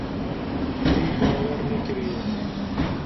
Wî bawer nekiriye.